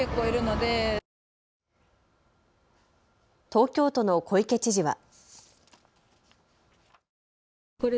東京都の小池知事は。